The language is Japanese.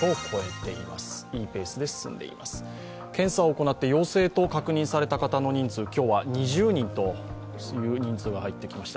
検査を行って陽性と確認された方の人数、今日は２０人という人数が入ってきました。